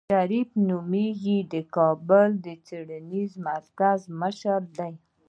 شريف نومېږي د کابل د څېړنيز مرکز مشر دی.